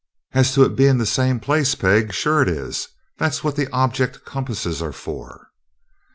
As to its being the same place, Peg sure it is. That's what object compasses are for."